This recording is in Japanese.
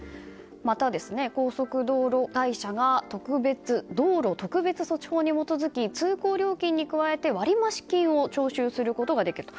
また、高速道路会社が道路特別措置法に基づき通行料金に加えて割増金を徴収することができると。